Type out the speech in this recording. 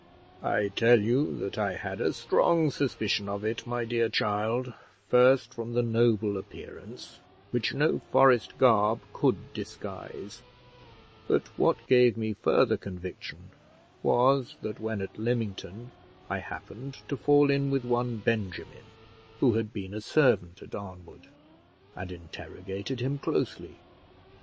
"I tell you that I had a strong suspicion of it, my dear child, first, from the noble appearance, which no forest garb could disguise; but what gave me further conviction was, that when at Lymington I happened to fall in with one Benjamin, who had been a servant at Arnwood, and interrogated him closely.